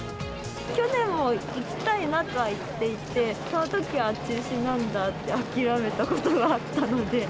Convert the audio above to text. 去年も行きたいなとは言っていて、そのときは中止なんだって諦めたことがあったので。